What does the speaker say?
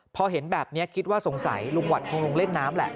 พอเห็นแบบนี้คิดว่าสงสัยลุงหวัดคงลงเล่นน้ำแหละ